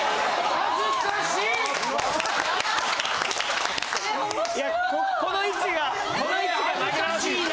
恥ずかしいな。